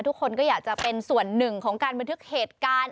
ทุกคนก็อยากจะเป็นส่วนหนึ่งของการบันทึกเหตุการณ์